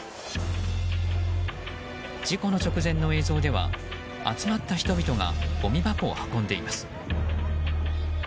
事故の直前の映像では集まった人々がごみ箱を運んでいます。